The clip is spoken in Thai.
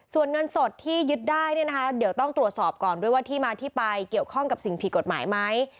ส่วนเงินสดที่ยึดได้เนี่ยนะคะเดี๋ยวต้องตรวจสอบก่อนด้วยว่าที่มาที่ไปเกี่ยวข้องกับสิ่งผิดกฎหมายไหม